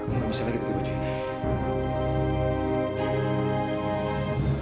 aku gak bisa lagi pakai bajunya nih